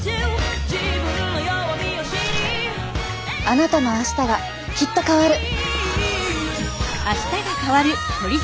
あなたの明日がきっと変わる。